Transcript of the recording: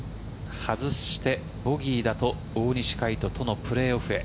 外してボギーだと大西魁斗とのプレーオフへ。